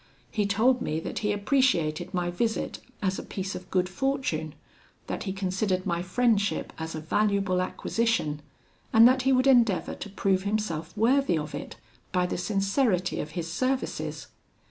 He told me that he appreciated my visit as a piece of good fortune; that he considered my friendship as a valuable acquisition, and that he would endeavour to prove himself worthy of it, by the sincerity of his services.